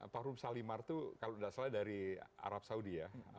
parfum salimar itu kalau enggak salah dari arab saudi